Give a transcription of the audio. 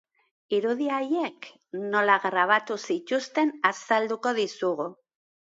Irudi haiek nola grabatu zituzten azalduko dizugu.